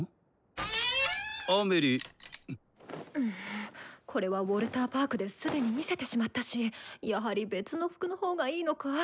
むぅこれはウォルターパークで既に見せてしまったしやはり別の服の方がいいのか？